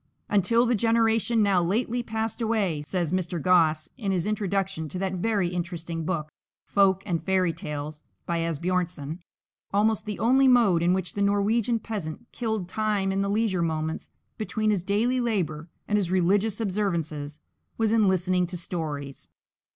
"Until the generation now lately passed away," says Mr. Gosse in his introduction to that very interesting book, "Folk and Fairy Tales" by Asbjörnsen, "almost the only mode in which the Norwegian peasant killed time in the leisure moments between his daily labour and his religious observances, was in listening to stories.